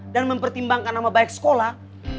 dan mempertimbangkan sama baik sekolah